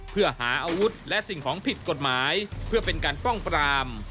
เพื่อหาอาวุธและสิ่งของผิดกฎหมายเพื่อเป็นการป้องปราม